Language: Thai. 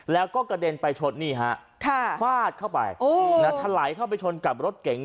แล้วก็กระเด็นไปชดนี่ฮะฟาดเข้าไปทะไหลเข้าไปชนกับรถเก๋ง